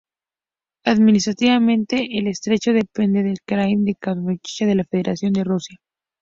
Administrativamente, el estrecho depende del krai de Kamchatka de la Federación de Rusia.